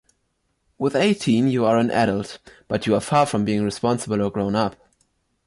With eighteen you are an adult, but you are far from being responsible or grown up.